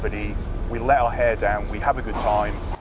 kami membiarkan rambut kami kita memiliki waktu yang baik